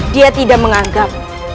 dia tidak menganggap